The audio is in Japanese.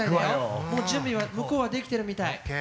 もう準備は向こうはできてるみたい。